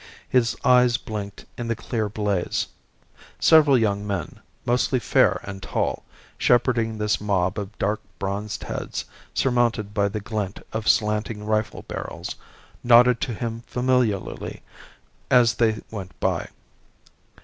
His eyes blinked in the clear blaze. Several young men, mostly fair and tall, shepherding this mob of dark bronzed heads, surmounted by the glint of slanting rifle barrels, nodded to him familiarly as they went by.